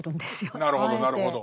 なるほどなるほど。